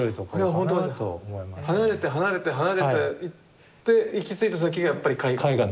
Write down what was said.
離れて離れて離れて行って行き着いた先がやっぱり絵画。